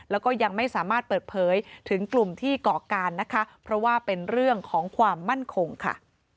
แล้วก็ยังไม่สามารถเปิดเผยถึงกลุ่มที่เกาะการนะคะเพราะว่าเป็นเรื่องของความมั่นคงค่ะ